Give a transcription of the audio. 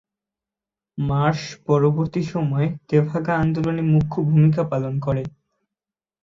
Mars পরবর্তী সময়ে তেভাগা আন্দোলনে মুখ্য ভূমিকা পালন করে।